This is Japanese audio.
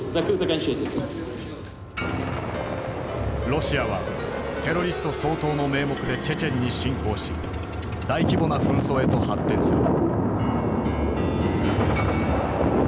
ロシアはテロリスト掃討の名目でチェチェンに侵攻し大規模な紛争へと発展する。